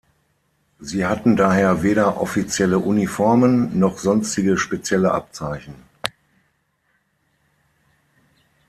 Sie hatten daher weder offizielle Uniformen noch sonstige spezielle Abzeichen.